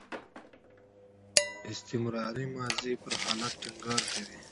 استمراري ماضي پر حالت ټینګار کوي.